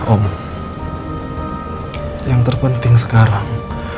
om yang terpenting sekarang